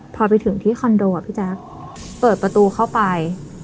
พอไปถึงที่คอนโดอ่ะพี่แจ๊คเปิดประตูเข้าไป